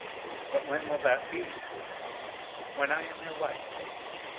"But when will that be?" "When I am your wife."